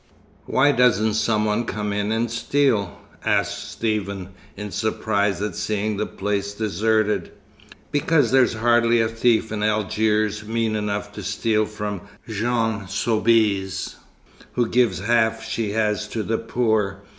"Why doesn't some one come in and steal?" asked Stephen, in surprise at seeing the place deserted. "Because there's hardly a thief in Algiers mean enough to steal from Jeanne Soubise, who gives half she has to the poor.